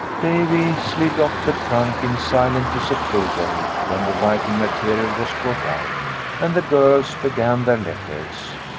Davy slid off the trunk in silent disapproval when the writing material was brought out, and the girls began their letters.